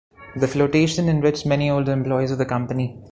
The flotation enriched many older employees of the company.